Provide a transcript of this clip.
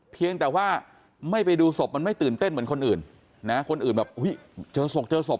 เพียงแต่ว่าไม่ไปดูศพมันไม่ตื่นเต้นเหมือนคนอื่นนะคนอื่นแบบอุ้ยเจอศพเจอศพ